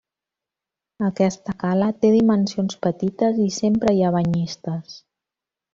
Aquesta cala té dimensions petites, i sempre hi ha banyistes.